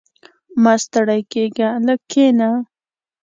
• مه ستړی کېږه، لږ کښېنه.